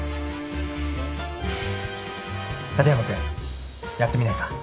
立山君やってみないか？